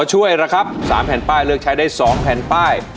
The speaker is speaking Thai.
ช่วยนะครับ๓แผ่นป้ายเลือกใช้ได้๒แผ่นป้าย